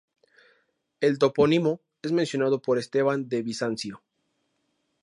El topónimo es mencionado por Esteban de Bizancio.